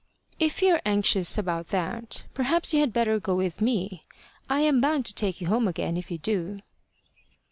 "If you're anxious about that, perhaps you had better go with me. I am bound to take you home again, if you do."